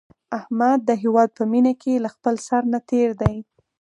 احمد د هیواد په مینه کې له خپل سر نه تېر دی.